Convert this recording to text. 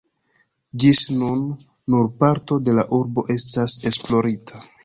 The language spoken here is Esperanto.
Ĝis nun, nur parto de la urbo estas esplorita.